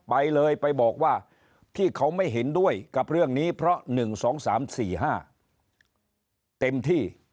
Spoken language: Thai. ไปเลยไปบอกว่าพี่เขาไม่เห็นด้วยกับเรื่องนี้เพราะ๑๒๓๔๕เต็มที่